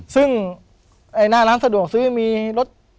ซึ่งหน้าร้านสะดวกซื้อมีรถ